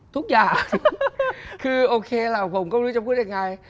ทุกอย่างคือโอเคล่ะผมก็ไม่รู้จะพูดยังไง